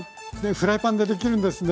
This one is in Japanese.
フライパンでできるんですね。